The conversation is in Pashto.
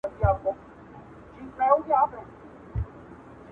o بې ما بې شل نه کړې!